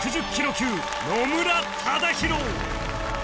級野村忠宏